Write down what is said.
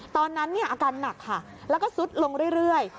ตอนนั้นอาการหนักค่ะแล้วก็ซุดลงเรื่อย